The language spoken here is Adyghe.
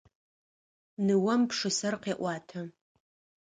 Ныожъым пшысэр къеӏуатэ.